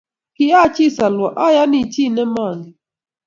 Kiachi solwo ayani chii ne maangen